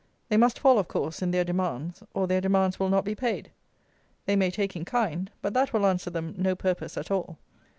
They must fall, of course, in their demands, or their demands will not be paid. They may take in kind, but that will answer them no purpose at all.